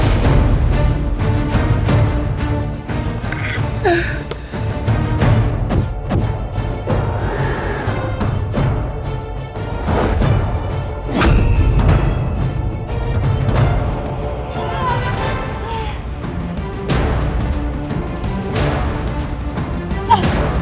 aku tidak terima